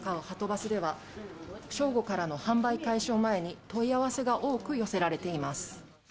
バスでは、正午からの販売開始を前に問い合わせが多く寄せられています。